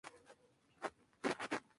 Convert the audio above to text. Las cortezas se despegan en tiras largas.